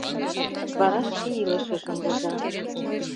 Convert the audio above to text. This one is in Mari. Вара шке илышыжым воза.